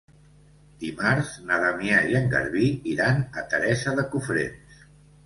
Dimarts na Damià i en Garbí iran a Teresa de Cofrents.